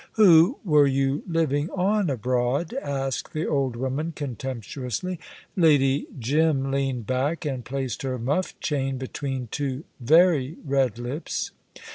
"Who were you living on abroad?" asked the old woman, contemptuously. Lady Jim leaned back and placed her muff chain between two very red lips.